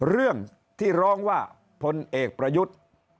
เรื่องที่ร้องว่าพลเอกประยุทธ์